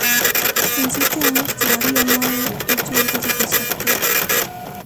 En siete años, todavía no he hecho algo satisfactorio.